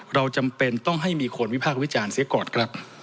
เราจำเป็นต้องให้มีคนวิภาควิจารณ์เสียกอดครับ